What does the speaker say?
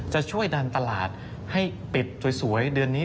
จะช่วยดันตลาดให้ปิดสวยเดือนนี้